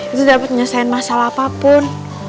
itu dapat menyelesaikan masalah apapun